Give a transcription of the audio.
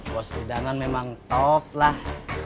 bos tidak kan memang top lah